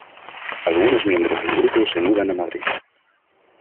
Algunos miembros del grupo se mudan a Madrid.